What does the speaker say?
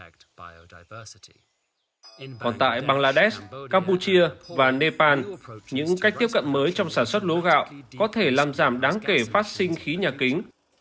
còn tại bangladesh campuchia và nepal những cách tiếp cận mới trong sản xuất lúa gạo có thể làm giảm đáng kể phát sinh khí nhà kính